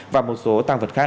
và một số tàng vật khác